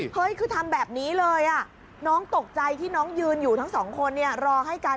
เฮ้ยคือทำแบบนี้เลยน้องตกใจที่น้องยืนอยู่ทั้งสองคนเนี่ยรอให้กัน